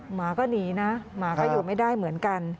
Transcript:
หมาก็หนีนะหมาก็อยู่ไม่ได้เหมือนกัน